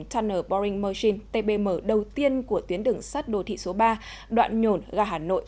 tunner boring machine tbm đầu tiên của tuyến đường sắt đô thị số ba đoạn nhổn ga hà nội